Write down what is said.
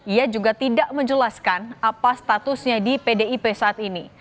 ia juga tidak menjelaskan apa statusnya di pdip saat ini